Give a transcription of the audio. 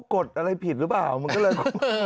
กดอะไรผิดหรือเปล่ามันก็เลยแบบ